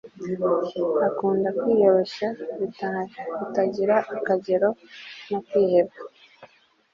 akunda kwiyoroshya bitagira akagero no kwiheba